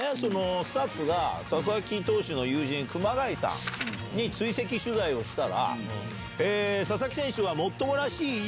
スタッフが佐々木投手の友人熊谷さんに追跡取材をしたら。